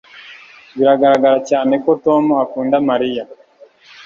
Biragaragara cyane ko Tom akunda Mariya